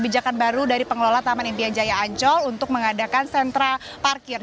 nah ini adalah peraturan yang sudah diadakan oleh pengelola taman impian jaya ancol untuk mengadakan sentra parkir